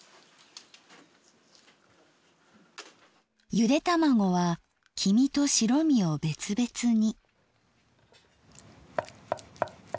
ゆで卵は黄身と白身を別々に。